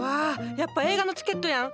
やっぱ映画のチケットやん。